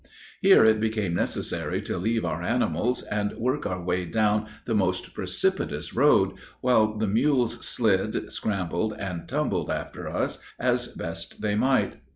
Here it became necessary to leave our animals, and work our way down the almost precipitous road, while the mules slid, scrambled, and tumbled after us as best they might.